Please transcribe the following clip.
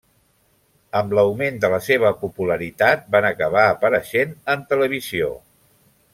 Amb l'augment de la seva popularitat van acabar apareixent en televisió.